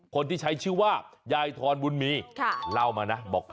คนที่ใช้ชื่อว่ายายทรบุญมีเล่ามานะบอก